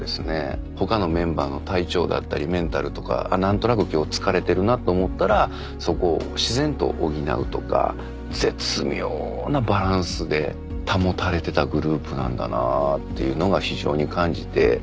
他のメンバーの体調だったりメンタルとか何となく今日疲れてるなと思ったらそこを自然と補うとか絶妙なバランスで保たれてたグループなんだなっていうのが非常に感じて。